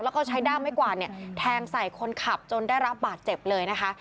แล้วก็ใช้ด้ามไม้กวาดเนี่ยแทงใส่คนขับจนได้รับบาดเจ็บเลยนะคะ